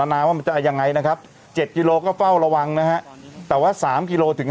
นาว่ามันจะยังไงนะครับ๗กิโลก็เฝ้าระวังนะฮะแต่ว่า๓กิโลถึง